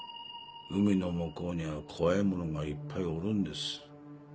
海の向こうには怖い者がいっぱいおるんです。